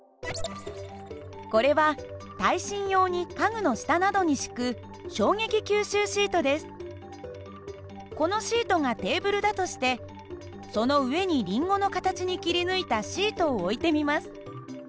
これは耐震用に家具の下などに敷くこのシートがテーブルだとしてその上にりんごの形に切り抜いたシートを置いてみます。